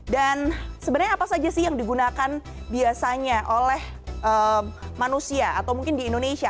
dan sebenarnya apa saja sih yang digunakan biasanya oleh manusia atau mungkin di indonesia